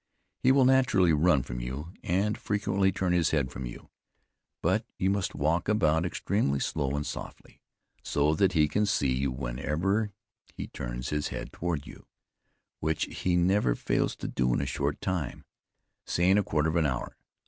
He will naturally run from you, and frequently turn his head from you; but you must walk about extremely slow and softly, so that he can see you whenever he turns his head towards you, which he never fails to do in a short time, say in a quarter of an hour.